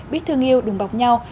biết thương yêu đừng bọc nhau